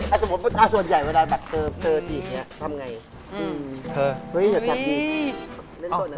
อาจจะบอกว่าส่วนใหญ่เวลาเจอทีนี้ทำยังไงอยากจัดที